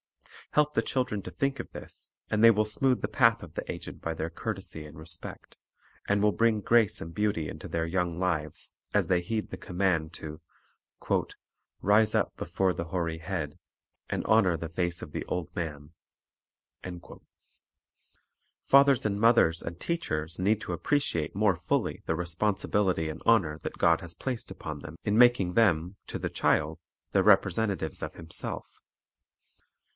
Help the children to think of this, and they will smooth the path of the aged by their courtesy and respect, and will bring grace and beauty into their young lives as they heed the command to "rise up before the hoary head, and honor the face of the old man." 3 Fathers and mothers and teachers need to appreciate more fully the responsibility and honor that God has placed upon them, in making them, to the child, the representatives of Himself.